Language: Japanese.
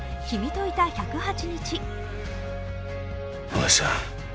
「君といた１０８日」。